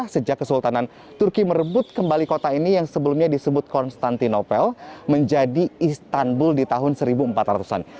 sejak kesultanan turki merebut kembali kota ini yang sebelumnya disebut konstantinopel menjadi istanbul di tahun seribu empat ratus an